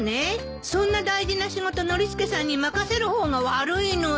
そんな大事な仕事ノリスケさんに任せる方が悪いのよ。